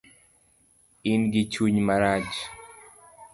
Ingi chuny marach